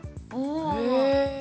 へえ。